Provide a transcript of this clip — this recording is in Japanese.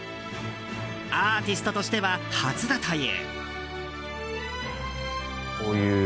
アーティストとしては初だという。